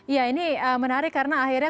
ya ini menarik karena akhirnya